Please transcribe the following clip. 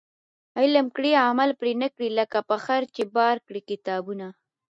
علم کړي عمل پري نه کړي ، لکه په خره چي بار کړي کتابونه